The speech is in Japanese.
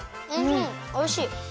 おいしい！